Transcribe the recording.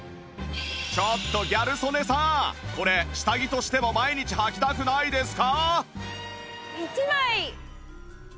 ちょっとギャル曽根さんこれ下着としても毎日はきたくないですか？